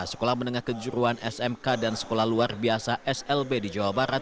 sekolah menengah kejuruan smk dan sekolah luar biasa slb di jawa barat